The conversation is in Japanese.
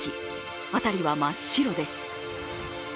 辺りは真っ白です。